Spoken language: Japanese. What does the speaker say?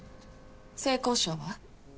性交渉は？